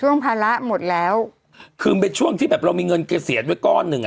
ภาระหมดแล้วคือมันเป็นช่วงที่แบบเรามีเงินเกษียณไว้ก้อนหนึ่งอ่ะ